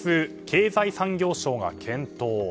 経済産業省が検討。